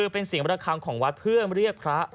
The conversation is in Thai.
เป็นเสียงบ๊วยรับครามของวัดเพื่อเบื้อเรียบคละ